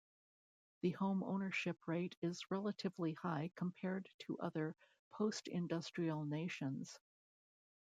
The home ownership rate is relatively high compared to other post-industrial nations.